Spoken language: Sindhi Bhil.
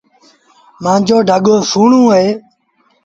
مآݩجو ڍڳو سُهيٚڻون اهي۔